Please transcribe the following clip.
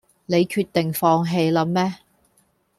你決定放棄啦咩